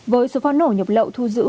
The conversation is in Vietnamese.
với số pháo nổ nhập lậu thu giữ